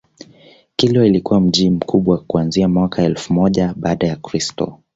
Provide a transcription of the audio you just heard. Kilwa ilikuwa mji mkubwa kuanzia mwaka elfu moja baada ya Kristo